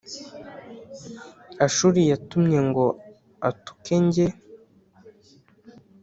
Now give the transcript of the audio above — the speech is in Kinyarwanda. Ashuri yatumye ngo atuke njye